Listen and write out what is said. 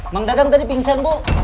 bang dadang tadi pingsan bu